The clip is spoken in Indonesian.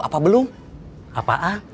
apa belum apaan